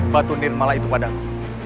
batu nirmala itu padamu